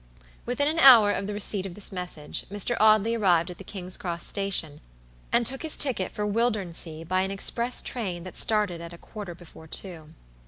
Within an hour of the receipt of this message, Mr. Audley arrived at the King's cross station, and took his ticket for Wildernsea by an express train that started at a quarter before two.